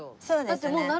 そうですね。